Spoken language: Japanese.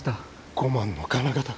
５万の金型が。